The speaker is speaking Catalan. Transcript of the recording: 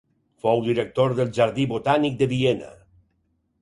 Fou director del Jardí Botànic de Viena.